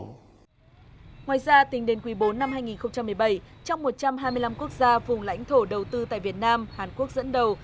ngoài ra tính đến quý bốn năm hai nghìn một mươi bảy trong một trăm hai mươi năm quốc gia vùng lãnh thổ đầu tư tại việt nam hàn quốc dẫn đầu